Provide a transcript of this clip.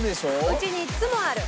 うちにいっつもある。